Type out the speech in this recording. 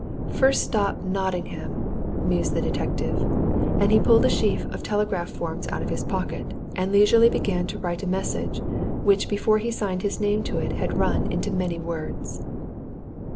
"First stop Nottingham!" mused the detective. And he pulled a sheaf of telegram forms out of his pocket, and leisurely began to write a message which before he signed his name to it had run into many words.